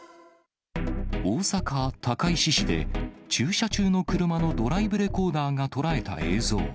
大阪・高石市で、駐車中の車のドライブレコーダーが捉えた映像。